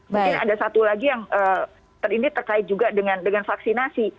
mungkin ada satu lagi yang terindik terkait juga dengan vaksinasi